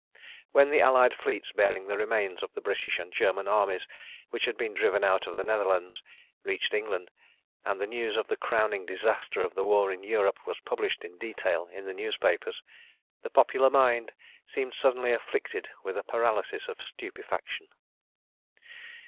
When the Allied fleets, bearing the remains of the British and German armies which had been driven out of the Netherlands, reached England, and the news of the crowning disaster of the war in Europe was published in detail in the newspapers, the popular mind seemed suddenly afflicted with a paralysis of stupefaction.